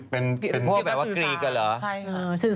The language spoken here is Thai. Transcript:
เป็นพวกแบบว่าฟรีกันเหรอ